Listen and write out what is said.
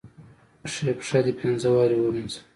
خۍ خپه دې پينزه وارې ووينزه.